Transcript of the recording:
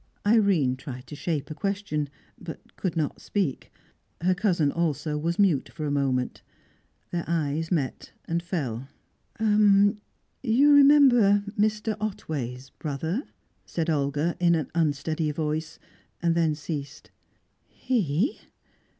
Irene tried to shape a question, but could not speak. Her cousin also was mute for a moment. Their eyes met, and fell. "You remember Mr. Otway's brother?" said Olga, in an unsteady voice, and then ceased. "He?